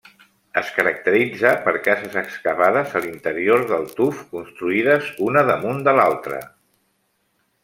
Es caracteritza per cases excavades a l'interior del tuf, construïdes una damunt de l'altra.